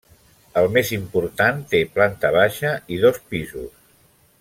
El més important té planta baixa i dos pisos.